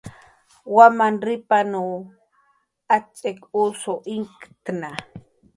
Wamanrripanw atz'ik us inktna